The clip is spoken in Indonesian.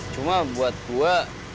cuma buat gue